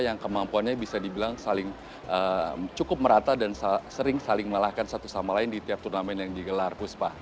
yang kemampuannya bisa dibilang cukup merata dan sering saling mengalahkan satu sama lain di tiap turnamen yang digelar puspa